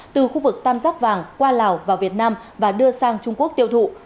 từ khu vực tam giác vàng qua lào vào việt nam và đưa sang trung quốc tiêu thụ